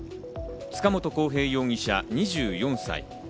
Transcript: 塚本晃平容疑者、２４歳。